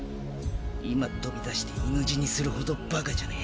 今飛び出して犬死にするほどバカじゃねえ。